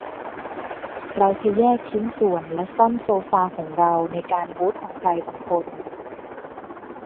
เราเคยแยกชิ้นส่วนและซ่อนโซฟาของเราในการบูทของใครบางคน